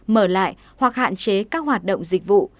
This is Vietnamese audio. mở lại hoặc hạn chế các hoạt động dịch vụ